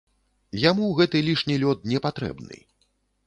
Яму гэты лішні лёд непатрэбны.